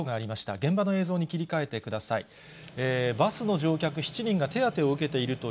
現場の映像に切り替えてください。